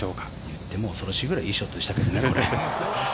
言っても恐ろしいぐらいいいショットでしたけどね。